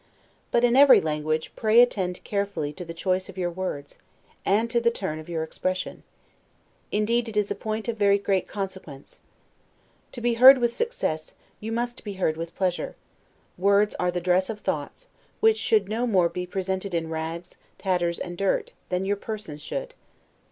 But, in every language, pray attend carefully to the choice of your words, and to the turn of your expression. Indeed, it is a point of very great consequence. To be heard with success, you must be heard with pleasure: words are the dress of thoughts; which should no more be presented in rags, tatters, and dirt, than your person should.